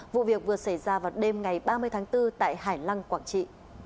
vụ việc vừa xảy ra vào đêm ngày ba mươi tháng bốn tại hải lăng quảng trị